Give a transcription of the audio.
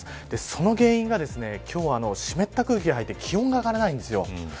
その原因は今日は湿った空気が入って気温が上がらないんですよ。